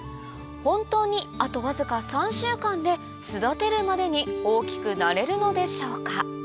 本当にあとわずか３週間で巣立てるまでに大きくなれるのでしょうか？